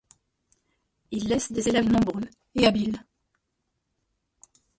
Il laisse des élèves nombreux et habiles.